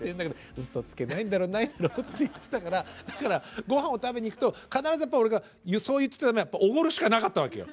「うそつけないんだろう？ないんだろう？」って言ってたからだからごはんを食べに行くと必ずやっぱり俺がそう言ってた手前おごるしかなかったわけよ。